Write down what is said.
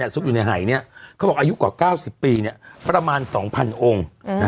ซุกอยู่ในหายเขาบอกอายุกว่า๙๐ปีประมาณ๒๐๐องค์